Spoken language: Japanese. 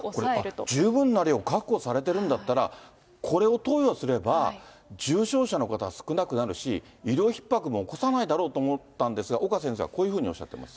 これ、十分な量を確保されてるんだったら、これを投与すれば、重症者の方少なくなるし、医療ひっ迫も起こさないだろうと思ったんですが、岡先生はこういうふうにおっしゃっています。